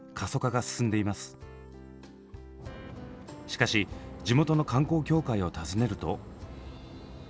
しかし地元の観光協会を訪ねると。